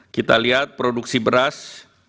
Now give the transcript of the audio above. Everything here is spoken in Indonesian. kita lihat produksi beras